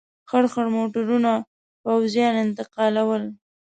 خړ خړ موټرونه پوځیان انتقالول.